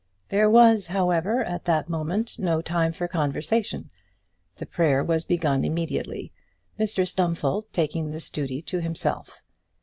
There was, however, at that moment no time for conversation. The prayer was begun immediately, Mr Stumfold taking this duty himself.